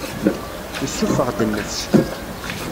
Yessuffeɣ-d nnefs.